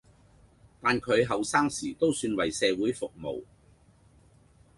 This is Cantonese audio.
但佢後生時都算為社會服務